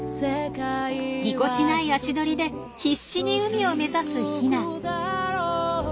ぎこちない足取りで必死に海を目指すヒナ。